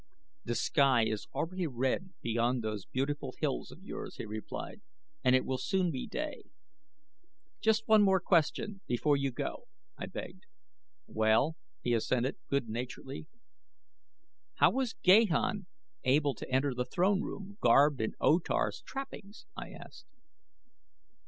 "The sky is already red beyond those beautiful hills of yours," he replied, "and it will soon be day." "Just one question before you go," I begged. "Well?" he assented, good naturedly. "How was Gahan able to enter the throne room garbed in O Tar's trappings?" I asked.